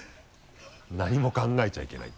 「何も考えちゃいけない」って。